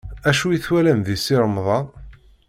Acu i twalam deg Si Remḍan?